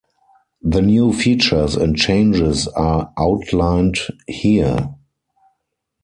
The new features and changes are outlined here.